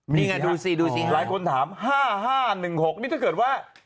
นี่ไงดูสิดูสิหลายคนถาม๕๕๑๖นี่ถ้าเกิดว่า